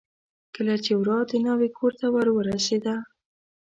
کله چې ورا د ناوې کورته ور ورسېده.